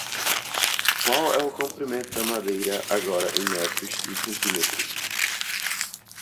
Qual é o comprimento da madeira agora em metros e centímetros?